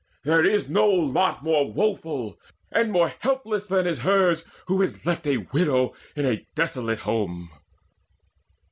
There is no lot More woeful and more helpless than is hers Who is left a widow in a desolate home."